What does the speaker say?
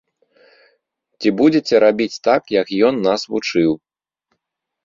Ці будзеце рабіць так, як ён нас вучыў?